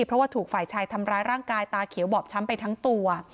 เพราะว่าถูกฝ่ายชายทำร้ายร่างกายตาเขียวบอบช้ำไปทั้งตัว